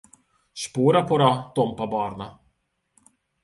Spórapora tompa barna.